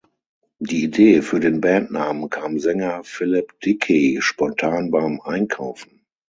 Die Idee für den Bandnamen kam Sänger Philip Dickey spontan beim Einkaufen.